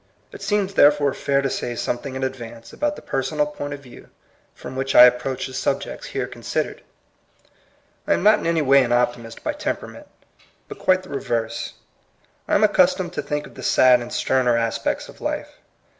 It seems therefore fair to say something in advance about the personal point of view from which I approach the subjects here considered. I am not in any way an optimist by temperament, but quite the reverse. I am accustomed to think of the sad and sterner aspects of life.